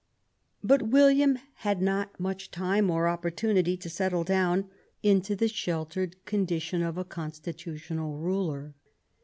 But William had not much time or opportunity to settle down into the sheltered condition of a constitutional ruler.